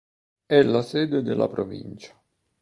È la sede della provincia.